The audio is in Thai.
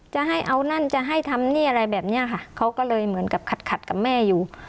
จะให้เอานั่นจะให้ทำนี่อะไรแบบเนี้ยค่ะเขาก็เลยเหมือนกับขัดขัดกับแม่อยู่